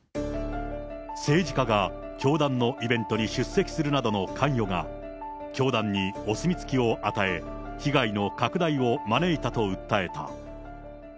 政治家が教団のイベントに出席するなどの関与が、教団にお墨付きを与え、被害の拡大を招いたと訴えた。